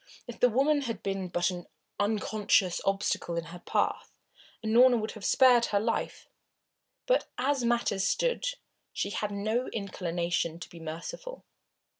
If the woman had been but an unconscious obstacle in her path Unorna would have spared her life, but as matters stood, she had no inclination to be merciful.